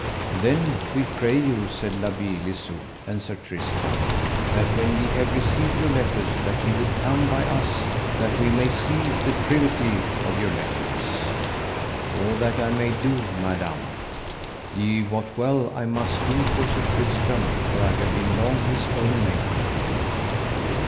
Then we pray you, said La Beale Isoud and Sir Tristram, that when ye have received your letters, that ye would come by us that we may see the privity of your letters. All that I may do, madam, ye wot well I must do for Sir Tristram, for I have been long his own maiden.